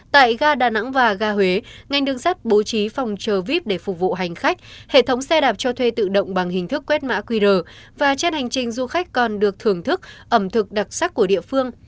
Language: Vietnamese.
tại ga đà nẵng và ga huế ngành đường sắt bố trí phòng chờ vip để phục vụ hành khách hệ thống xe đạp cho thuê tự động bằng hình thức quét mã qr và trên hành trình du khách còn được thưởng thức ẩm thực đặc sắc của địa phương